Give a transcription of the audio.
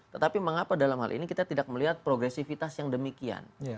tetapi mengapa dalam hal ini kita tidak melihat progresivitas yang demikian